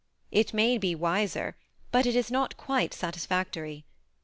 It may be wiser, but it is not quite sat isfactory.